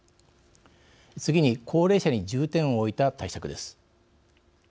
次に高齢者に重点を置いた対策です。